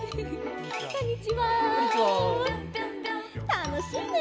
たのしいね！